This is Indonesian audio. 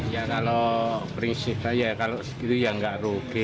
ya kalau prinsip saya kalau segitu ya nggak rugi